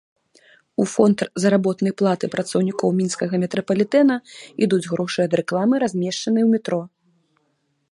У фонд заработнай платы працаўнікоў мінскага метрапалітэна ідуць грошы ад рэкламы, размешчанай ў метро.